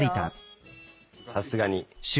さすがに。